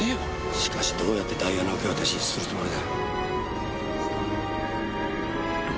しかしどうやってダイヤの受け渡しするつもりだ？